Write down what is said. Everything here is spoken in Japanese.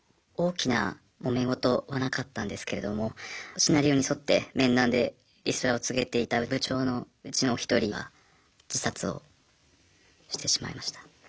大きなもめ事はなかったんですけれどもシナリオに沿って面談でリストラを告げていた部長のうちのお一人が自殺をしてしまいました。